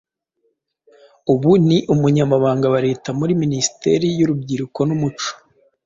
ubu ni umunyamabanga wa leta muri minisiteri y'urubyiruko n'umuco